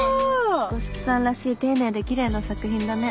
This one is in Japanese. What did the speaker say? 五色さんらしい丁寧できれいな作品だね。